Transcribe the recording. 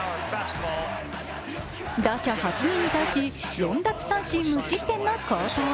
打者８人に対し、４奪三振無失点の好投。